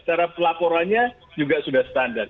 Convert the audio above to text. cara pelaporannya juga sudah standar